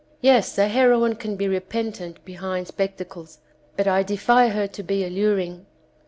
Yes, a heroine can be repentant behind spectacles, but I defy her to be alluring.